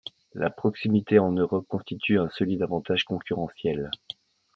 La proximité en Europe constitue un solide avantage concurrentiel.